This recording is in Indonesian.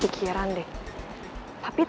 suka itu bisa